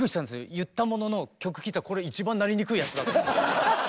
言ったものの曲聴いたらこれ一番なりにくいやつだと。